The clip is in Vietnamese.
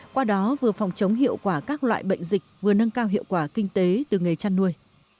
qua đó vừa phòng chống hiệu quả các loại bệnh dịch vừa nâng cao hiệu quả kinh tế từ nghề chăn nuôi